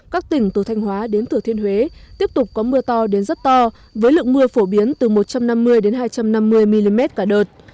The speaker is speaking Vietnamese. các tỉnh từ thanh hóa đến thử thiên huế tiếp tục có mưa to đến rất to với lượng mưa phổ biến từ một trăm năm mươi hai trăm năm mươi mm cả đợt